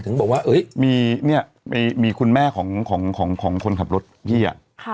ถึงบอกว่ามีคุณแม่ของคนขับรถพี่